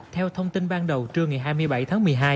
theo thông tin ban đầu trưa ngày hai mươi bảy tháng một mươi hai